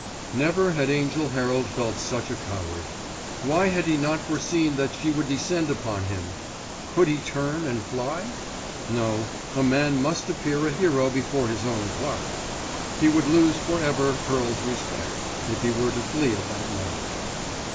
Never had Angell Herald felt such a coward. Why had he not foreseen that she would descend upon him. Could he turn and fly? No: a man must appear a hero before his own clerk. He would lose for ever Pearl's respect if he were to flee at that moment.